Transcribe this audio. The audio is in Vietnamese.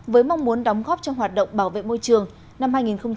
với mong muốn đóng góp cho hoạt động bảo vệ môi trường năm hai nghìn một mươi tám